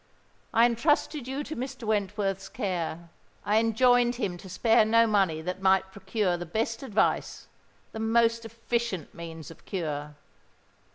I entrusted you to Mr. Wentworth's care: I enjoined him to spare no money that might procure the best advice—the most efficient means of cure.